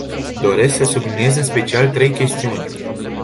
Doresc să subliniez în special trei chestiuni.